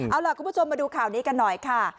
เอาล่ะคุณผู้ชมมาดูข่าวนี้กันหน่อยค่ะ